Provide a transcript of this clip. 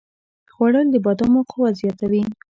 خوړل د بادامو قوت زیاتوي